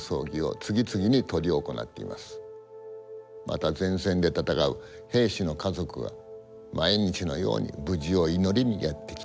また前線で戦う兵士の家族が毎日のように無事を祈りにやって来ています。